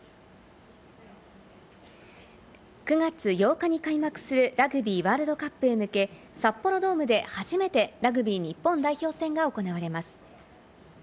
９月８日に開幕するラグビーワールドカップへ向け、札幌ドームで初めてラグビー日本代表戦が行われます。